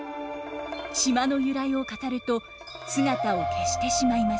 島の由来を語ると姿を消してしまいます。